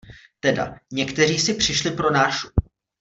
Teda, někteří si přišli pro nášup.